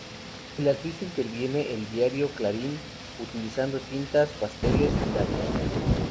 El artista interviene el diario Clarín utilizando tintas, pasteles, lápices.